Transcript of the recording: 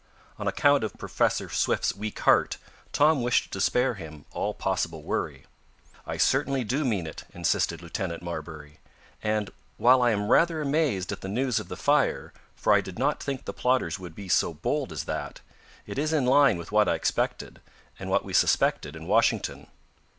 On account of Professor Swift's weak heart, Tom wished to spare him all possible worry. "I certainly do mean it," insisted Lieutenant Marbury. "And, while I am rather amazed at the news of the fire, for I did not think the plotters would be so bold as that, it is in line with what I expected, and what we suspected in Washington."